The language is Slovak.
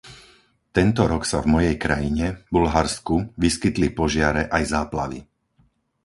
Tento rok sa v mojej krajine, Bulharsku, vyskytli požiare aj záplavy.